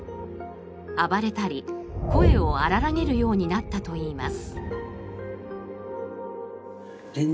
暴れたり、声を荒らげるようになったといいます。